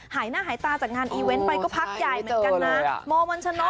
หายหน้าหายตาจากงานอีเวนต์ไปก็พักใหญ่เหมือนกันนะมวัญชนก